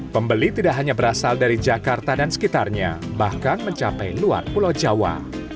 pembeli tidak hanya berasal dari jakarta dan sekitarnya bahkan mencapai luar pulau jawa